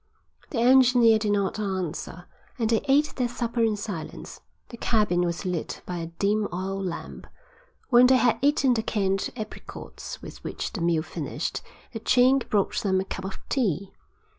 The engineer did not answer, and they ate their supper in silence. The cabin was lit by a dim oil lamp. When they had eaten the canned apricots with which the meal finished the Chink brought them a cup of tea.